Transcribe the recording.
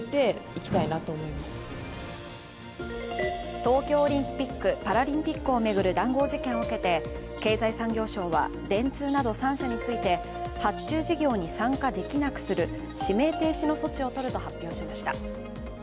東京オリンピック・パラリンピックを巡る談合事件を受けて経済産業省は電通など３社について発注事業に参加できなくする指名停止の措置を取ると発表しました。